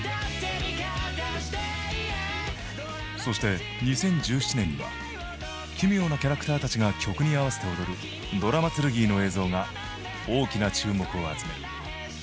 そして２０１７年には奇妙なキャラクターたちが曲に合わせて踊る「ドラマツルギー」の映像が大きな注目を集める。